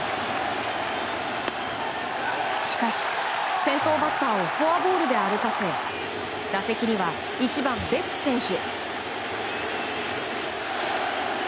しかし、先頭バッターをフォアボールで歩かせ打席には１番、ベッツ選手。